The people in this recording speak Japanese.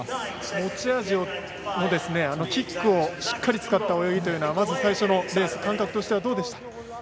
持ち味のキックをしっかり使った泳ぎはまず最初のレース感覚としてはどうでした？